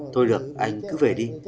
thôi được anh cứ về đi